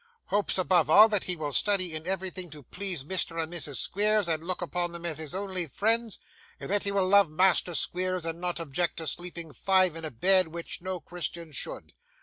Hopes, above all, that he will study in everything to please Mr. and Mrs Squeers, and look upon them as his only friends; and that he will love Master Squeers; and not object to sleeping five in a bed, which no Christian should.